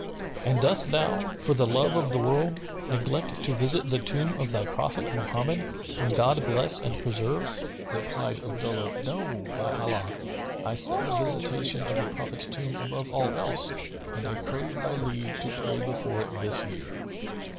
And dost thou, for the love of the world, neglect to visit the tomb of thy Prophet[FN#260] Mohammed, whom God bless and preserve?" Replied Abdullah, "No, by Allah, I set the visitation of the Prophet's tomb above all else, and I crave thy leave to pray before it this year."